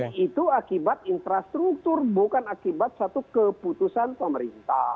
nah itu akibat infrastruktur bukan akibat satu keputusan pemerintah